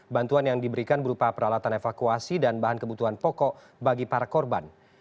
bantuan yang diberikan berupa peralatan evakuasi dan bahan kebutuhan pokok bagi para korban